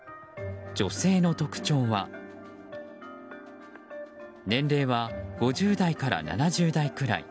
女性の特徴は年齢は５０代から７０代くらい